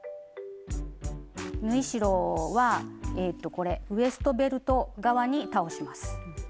縫い代はえっとこれウエストベルト側に倒します。